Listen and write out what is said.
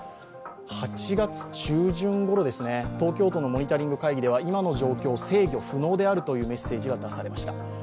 ８月中旬頃、東京都のモニタリング会議では今の状況を制御不能であるというメッセージが出されました。